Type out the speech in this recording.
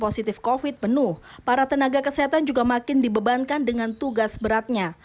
positif covid penuh para tenaga kesehatan juga makin dibebankan dengan tugas beratnya